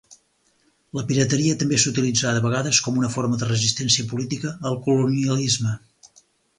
La pirateria també s'utilitzà de vegades com una forma de resistència política al colonialisme.